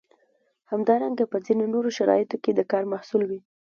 همدارنګه په ځینو نورو شرایطو کې د کار محصول وي.